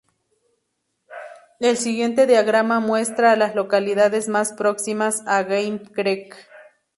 El siguiente diagrama muestra a las localidades más próximas a Game Creek.